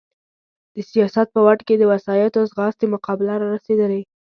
د سیاست په واټ کې د وسایطو ځغاستې مقابله را رسېدلې.